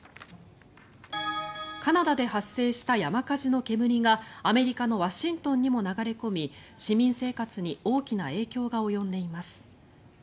カナダで発生した山火事の煙がアメリカのワシントンにも流れ込み市民生活に大きな影響が及んでいます。